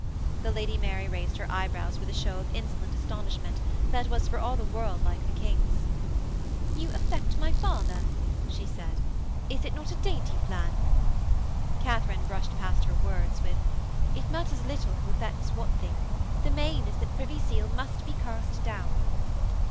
The Lady Mary raised her eyebrows with a show of insolent astonishment that was for all the world like the King's. 'You affect my father!' she said. 'Is it not a dainty plan?' Katharine brushed past her words with: 'It matters little who affects what thing. The main is that Privy Seal must be cast down.'